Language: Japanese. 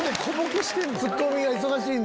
ツッコミが忙しいんだ。